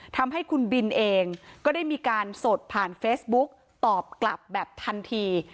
ทำให้คุณบินเองก็ได้มีการสดผ่านเฟซบุ๊กตอบกลับแบบทันที